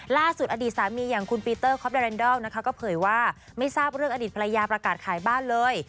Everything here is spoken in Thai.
ล่าสุดอดีตสามีอย่างคุณปีเตอร์คอปเดรันดอลนะคะก็เผยว่าไม่ทราบเรื่องอดีตภรรยาประกาศขายบ้านเลย